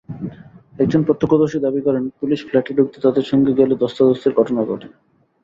একজন প্রত্যক্ষদর্শী দাবি করেন, পুলিশ ফ্ল্যাটে ঢুকতে তাঁদের সঙ্গে গেলে ধ্বস্তাধ্বস্তির ঘটনা ঘটে।